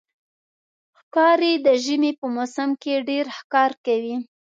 ښکاري د ژمي په موسم کې ډېر ښکار کوي.